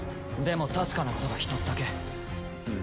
でも確かなことが１つだけ。